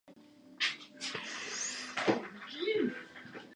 Alden nació en Fort Worth, Texas.